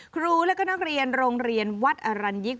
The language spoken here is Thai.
ครูและก็นักเรียนโรงเรียนวัดอรัญยิก